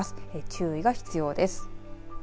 注意が必要です。